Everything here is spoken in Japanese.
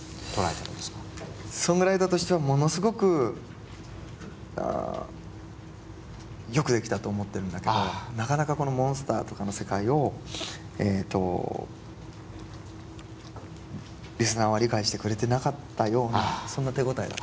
ソングライターとしてはものすごくよく出来たと思ってるんだけどなかなかこの「Ｍｏｎｓｔｅｒ」とかの世界をえとリスナーは理解してくれてなかったようなそんな手応えが。